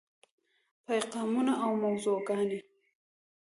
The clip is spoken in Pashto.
پیغامونه او موضوعګانې: